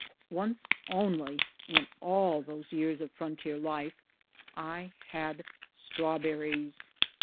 Once only, in all those years of frontier life, I had strawberries.